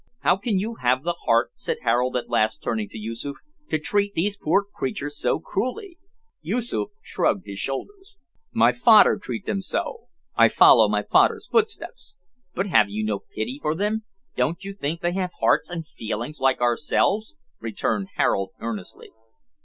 "How can you have the heart," said Harold at last turning to Yoosoof, "to treat these poor creatures so cruelly?" Yoosoof shrugged his shoulders. "My fader treat them so; I follow my fader's footsteps." "But have you no pity for them? Don't you think they have hearts and feelings like ourselves?" returned Harold earnestly.